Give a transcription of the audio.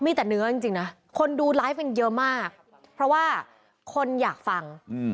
มีแต่เนื้อจริงนะคนดูไลฟ์กันเยอะมากเพราะว่าคนอยากฟัง